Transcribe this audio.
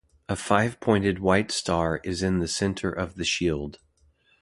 A five pointed white star is in the centre of the shield.